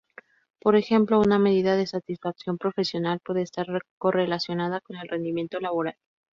Por ejemplo, una medida de satisfacción profesional puede estar correlacionada con el rendimiento laboral.